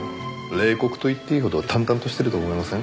冷酷と言っていいほど淡々としてると思いません？